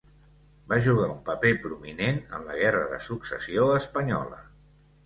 Va jugar un paper prominent en la Guerra de Successió Espanyola.